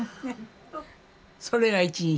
それが一日。